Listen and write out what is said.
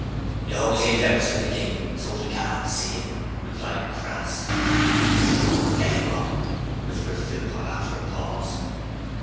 ''E always leaves it outside the gate, so's we can't see it,' replied Crass. 'Tell you what,' whispered Philpot, after a pause.